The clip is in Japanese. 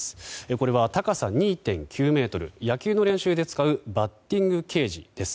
これは、高さ２．９ｍ野球の練習で使うバッティングケージです。